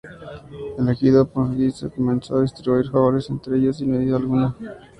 Elegido pontífice comenzó a distribuir favores entre ellos sin medida alguna.